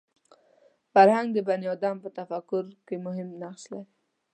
فرهنګ د بني ادم په تفکر کې مهم نقش لري